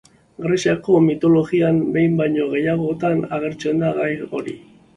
Greziako mitologian behin baino gehiagotan agertzen da gai hori.